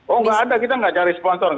oh nggak ada kita nggak cari sponsor